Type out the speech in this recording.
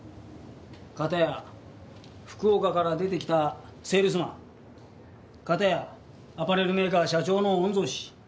片や福岡から出てきたセールスマン片やアパレルメーカー社長の御曹司。